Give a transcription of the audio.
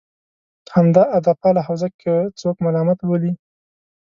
همدا ادبپاله حوزه که څوک ملامت بولي.